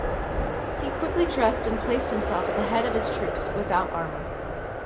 He quickly dressed and placed himself at the head of his troops without armor.